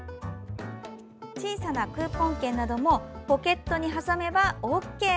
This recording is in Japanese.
小さなクーポン券などもポケットに挟めばＯＫ。